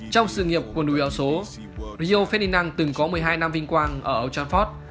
trong sự nghiệp quần đùi áo số rio ferdinand từng có một mươi hai năm vinh quang ở old trafford